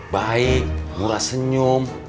baik murah senyum